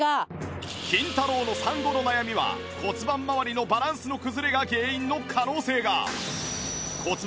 キンタロー。の産後の悩みは骨盤まわりのバランスの崩れが原因の可能性が